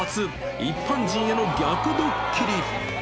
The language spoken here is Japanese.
一般人への逆ドッキリ。